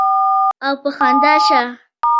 او پۀ خندا شۀ ـ